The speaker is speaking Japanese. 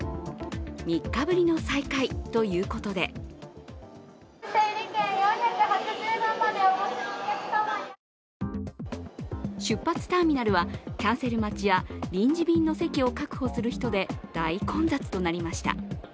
３日ぶりの再開ということで出発ターミナルはキャンセル待ちや臨時便の席を確保する人で大混雑となりました。